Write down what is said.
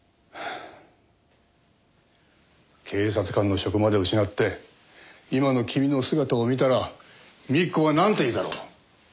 警察官の職まで失って今の君の姿を見たら幹子はなんと言うだろう。